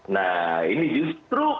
nah ini justru